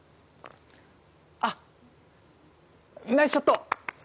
ナイスショット！